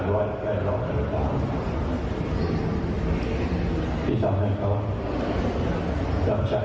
ชื่อเหตุการณ์ร้อยท๘๗ที่ทำให้เขาจะเป็นเครื่องมือ